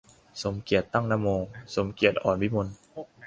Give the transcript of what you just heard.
สมเกียรติ ตั้งนโม สมเกียรติ อ่อนวิมล